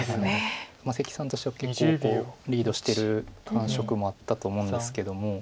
関さんとしては結構リードしてる感触もあったと思うんですけども。